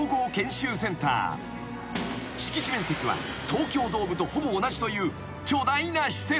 ［敷地面積は東京ドームとほぼ同じという巨大な施設］